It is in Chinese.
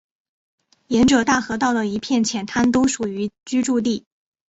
沿着大河道的一片浅滩都属于居住地。